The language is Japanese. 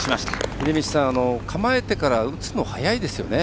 秀道さん、構えてから打つの早いですよね。